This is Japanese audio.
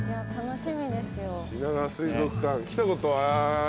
しながわ水族館来たことある？